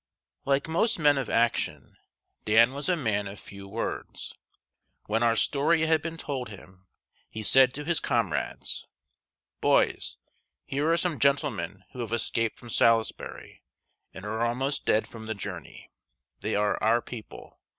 Like most men of action, Dan was a man of few words. When our story had been told him, he said to his comrades: "Boys, here are some gentlemen who have escaped from Salisbury, and are almost dead from the journey. They are our people.